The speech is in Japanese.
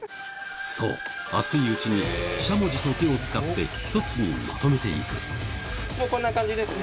そう熱いうちにしゃもじと手を使って１つにまとめていくもうこんな感じですね。